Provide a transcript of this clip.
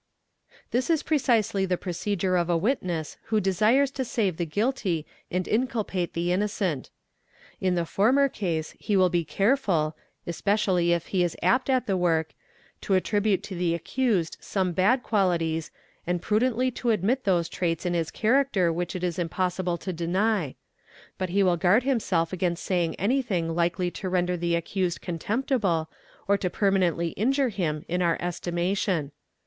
This is precisely the procedure of a witness who desires to save the guilty and inculpate the innocent. In the former case he will be careful, : especially if he is apt at the work, to attribute to the accused some _ bad qualities and prudently to admit those traits in his character which it isimpossible to deny; but he will guard himself against saying any _ thing likely to render the accused contemptible or to permanently injure him in our estimation.